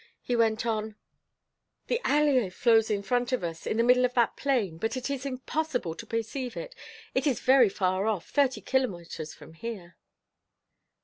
He went on: "The Allier flows in front of us, in the middle of that plain, but it is impossible to perceive it. It is very far off, thirty kilometers from here."